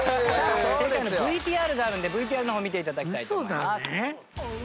正解のＶＴＲがあるのでＶＴＲの方見て頂きたいと思います。